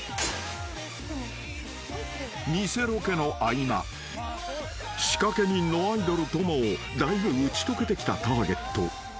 ［偽ロケの合間仕掛け人のアイドルともだいぶ打ち解けてきたターゲット］